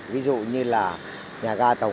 ví dụ như là nhà gai tàu gà